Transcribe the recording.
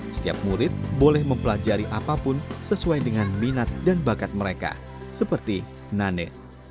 setiap murid boleh mempelajari apapun sesuai dengan minat dan bakat mereka seperti nane